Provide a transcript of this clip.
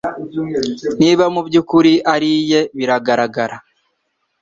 niba mubyukuri ari iye biragarara,